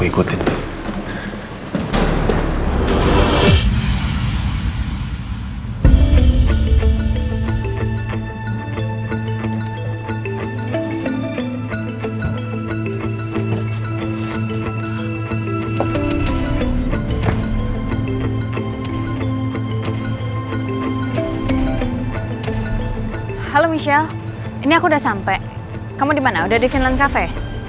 kamu dimana udah di vinland cafe